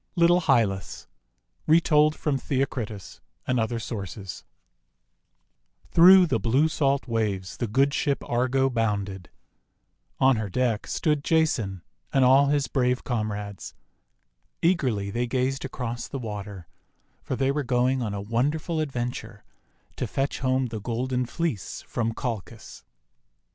LITTLE HYLAS Retold from Theocritus and Other Sources THROUGH the blue salt waves the good Ship Argo bounded. On her deck stood Jason and LITTLE HYLAS 151 all his brave comrades. Eagerly they gazed across the water, for they were going on a won derful adventure, to fetch home the Golden Fleece from Colchis.